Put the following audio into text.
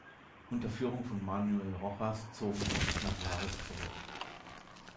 Unter der Führung von Manuel Rojas zogen sie sich nach Lares zurück.